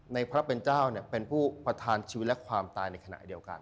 พระเป็นเจ้าเป็นผู้ประทานชีวิตและความตายในขณะเดียวกัน